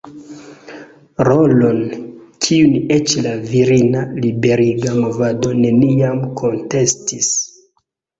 Rolon, kiun eĉ la virina liberiga movado neniam kontestis.